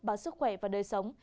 bản sức khỏe và đời sống